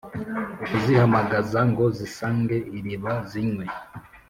ukuzihamagaza ngo zisange iriba zinywe